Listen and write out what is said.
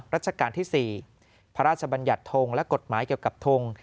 ราชการที่๔พระราชบัญญัติทงและกฎหมายเกี่ยวกับทง